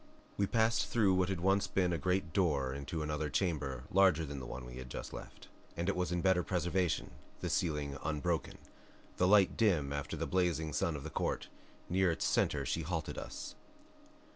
We passed through what had once been a great door into another chamber larger than that we had just left; and it was in better preservation, the ceiling unbroken, the light dim after the blazing sun of the court. Near its center she halted us.